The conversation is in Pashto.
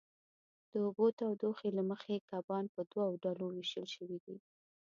د اوبو د تودوخې له مخې کبان په دوو ډلو وېشل شوي دي.